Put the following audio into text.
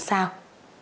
hẹn gặp lại